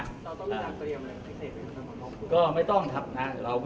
ถ้าขอมอบตัวต้องกลับตัวจากหมายปกติ